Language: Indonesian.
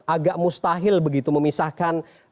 agak mustahil begitu memisahkan